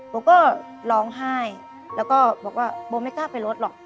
โบก็ร้องไห้แล้วก็บอกว่าโบไม่กล้าไปรถหรอก